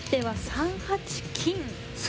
３八金。